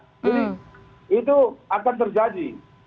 jadi itu akan terjadi